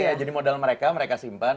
iya jadi modal mereka mereka simpan